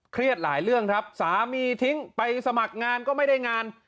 หลายเรื่องครับสามีทิ้งไปสมัครงานก็ไม่ได้งาน